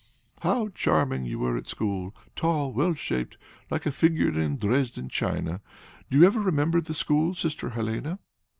"How charming you were at school! Tall, well shaped, like a figure in Dresden china. Do you ever remember the school, Sister Helene?"